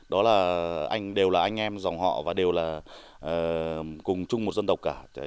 đó là anh đều là anh em dòng họ và đều là cùng chung một dân tộc cả